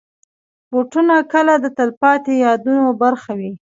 بوټونه کله د تلپاتې یادونو برخه وي.